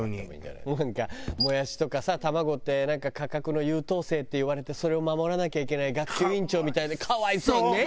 なんかもやしとかさ卵って「価格の優等生」っていわれてそれを守らなきゃいけない学級委員長みたいで可哀想にね！